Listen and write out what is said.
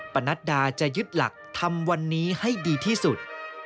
ปนัดดาจะยึดหลักทำวันนี้ให้ดีที่สุด